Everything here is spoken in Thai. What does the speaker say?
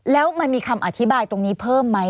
แล้วมันมีคำอธิบายตรงนี้เพิ่มไหม